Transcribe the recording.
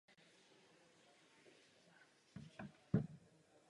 Zjištěné informace se snaží využít k předpovědi chování klimatu v budoucnosti.